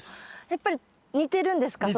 やっぱり似てるんですか？